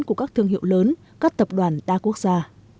của các thương hiệu lớn các tập đoàn đa quốc gia